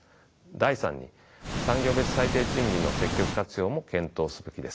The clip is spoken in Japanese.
第３に「産業別最低賃金の積極活用」も検討すべきです。